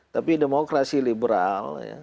tapi demokrasi liberal ya